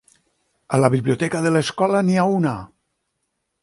A la biblioteca de l'escola n'hi ha una!